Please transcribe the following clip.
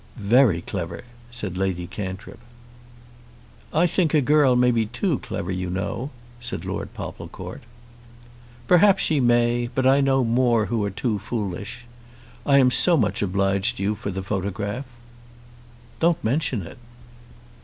"Very clever," said Lady Cantrip. "I think a girl may be too clever, you know," said Lord Popplecourt. "Perhaps she may. But I know more who are too foolish. I am so much obliged to you for the photograph." "Don't mention it."